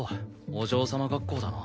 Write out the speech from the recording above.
お嬢様学校だな。